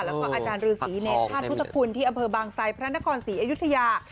แล้วก็อาจารย์ฤษีเนรธาตุพุทธคุณที่อำเภอบางไซดพระนครศรีอยุธยา